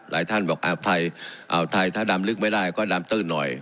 หลายท่านบอกอาทัยอาทัยถ้าดำลึกไม่ได้ก็ดำตื้อนหน่อย